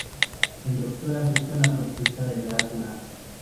El Doctor acepta la propuesta de Drácula.